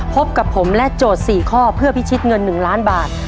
พบกับผมและโจทย์๔ข้อเพื่อพิชิตเงิน๑ล้านบาท